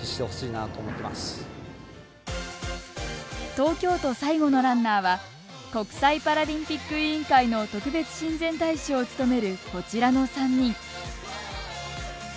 東京都、最後のランナーは国際パラリンピック委員会の特別親善大使を務めるこちらの３人。